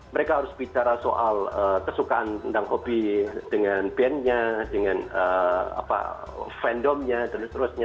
mereka harus bicara soal kesukaan tentang hobi dengan band nya dengan fandom nya dan seterusnya